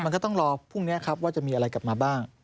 มันก็ต้องรอพรุ่งนี้ครับว่าจะมีอะไรกลับมาบ้าง